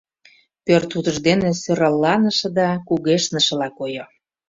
Пӧрт утыждене сӧралланыше да кугешнышыла койо.